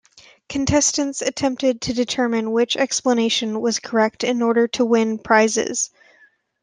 Contestants attempted to determine which explanation was correct in order to win prizes.